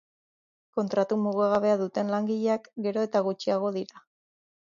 Kontratu mugagabea duten langileak gero eta gutxiago dira.